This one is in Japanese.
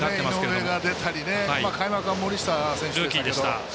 井上が出たり開幕は森下選手でしたけど。